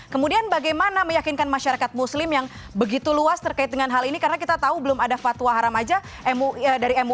kemudian bagaimana meyakinkan masyarakat muslim yang begitu luas terkait dengan hal ini karena kita tahu belum ada fatwa haram aja dari mui